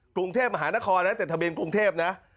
กรุงเทพมหานครนะแต่ทะเบียนกรุงเทพนะ